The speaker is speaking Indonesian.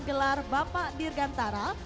gelar bapak dirgantara